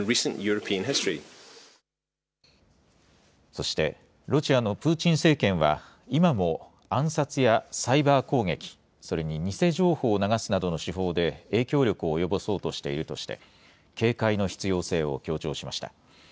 そして、ロシアのプーチン政権は、今も暗殺やサイバー攻撃、それに偽情報を流すなどの手法で影響力を及ぼそうとしているとして、警戒の必要性を強調しました。